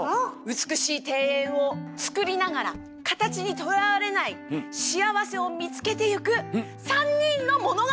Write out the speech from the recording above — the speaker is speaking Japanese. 美しい庭園を造りながら形にとらわれない幸せを見つけてゆく３人の物語！